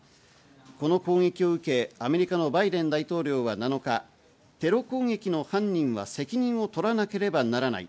この攻撃を受け、アメリカのバイデン大統領は７日、テロ攻撃の犯人は責任を取らなければならない。